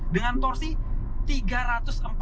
dengan torsi tiga ratus empat puluh nm